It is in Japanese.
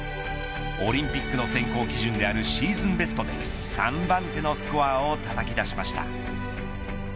オリンピックの選考基準であるシーズンベストまで３番手のスコアをたたき出しました。